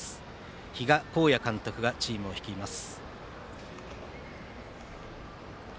比嘉公也監督がチームを率います。